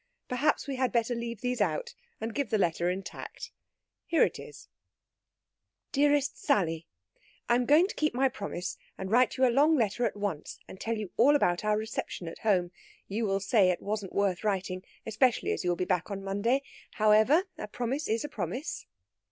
Perhaps we had better leave these out, and give the letter intact. Here it is: "DEAREST SALLY, "I am going to keep my promise, and write you a long letter at once, and tell you all about our reception at home. You will say it wasn't worth writing, especially as you will be back on Monday. However, a promise is a promise!